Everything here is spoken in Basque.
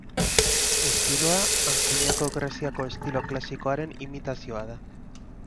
Estiloa Antzinako Greziako estilo klasikoaren imitazioa da.